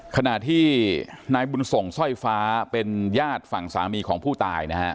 ขณะที่นายบุญส่งสร้อยฟ้าเป็นญาติฝั่งสามีของผู้ตายนะฮะ